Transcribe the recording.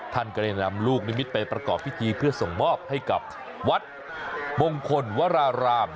ท่านก็ได้นำลูกนิมิตรไปประกอบพิธีเพื่อส่งมอบให้กับวัดมงคลวราราม